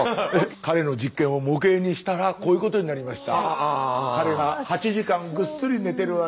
彼の実験を模型にしたらこういうことになりました。